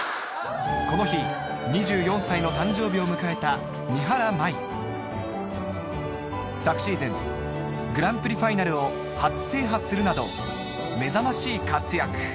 この日２４歳の誕生日を迎えた昨シーズングランプリファイナルを初制覇するなど目覚ましい活躍